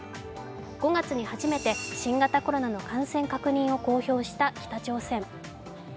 ５月に初めて新型コロナの感染確認を公表した北朝鮮。